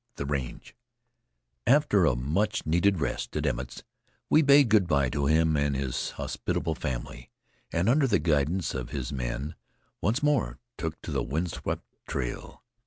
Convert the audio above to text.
THE RANGE After a much needed rest at Emmett's, we bade good by to him and his hospitable family, and under the guidance of his man once more took to the wind swept trail.